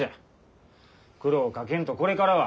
苦労をかけんとこれからは。